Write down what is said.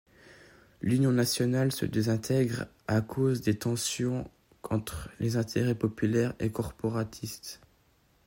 L'Union nationale se désintègre à cause de tensions entre les intérêts populaires et corporatistes.